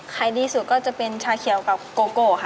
ขายดีสุดก็จะเป็นชาเขียวกับโกโก้ค่ะ